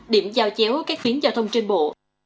điểm giao chéo các tuyến giao thông trên bộ